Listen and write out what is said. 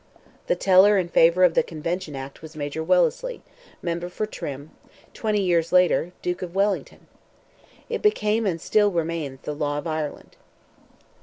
The teller in favour of the Convention Act was Major Wellesley, member for Trim, twenty years later—Duke of Wellington! It became and still remains the law of Ireland.